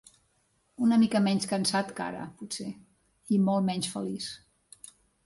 Una mica menys cansat que ara, potser, i molt menys feliç.